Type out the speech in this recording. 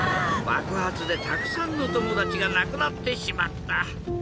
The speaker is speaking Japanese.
ばくはつでたくさんのともだちがなくなってしまった。